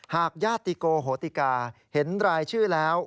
ญาติติโกโหติกาเห็นรายชื่อแล้ว